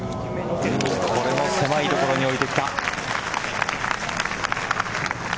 これも狭い所に置いてきた。